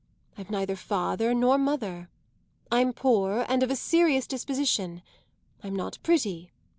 I've neither father nor mother; I'm poor and of a serious disposition; I'm not pretty.